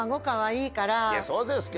いやそうですけど。